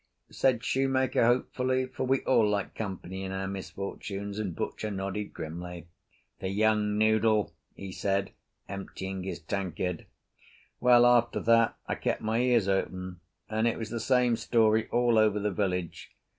"Drink?" said shoemaker hopefully, for we all like company in our misfortunes, and butcher nodded grimly. "The young noodle," he said, emptying his tankard. Well, after that I kept my ears open, and it was the same story all over the village.